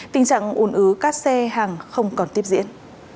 tình trạng ủn ứ các xe hàng không còn tiếp diễn